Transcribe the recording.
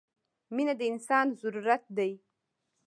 • مینه د انسان ضرورت دی.